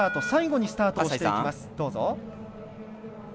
最後にスタートします。